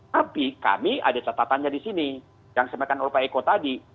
tapi kami ada catatannya di sini yang disampaikan oleh pak eko tadi